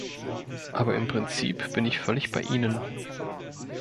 Aber im Prinzip bin ich völlig bei Ihnen.